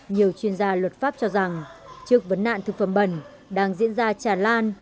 nhiều chuyên gia luật pháp cho rằng trước vấn nạn thực phẩm bẩn đang diễn ra tràn lan